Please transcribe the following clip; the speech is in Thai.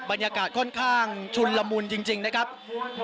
ก็จะเห็นว่าริมทางนี้ก็จะเห็นมีกลุ่มมวลชนนะครับพยายามที่จะส่งน้ำส่งแว่นตาต่างนะครับ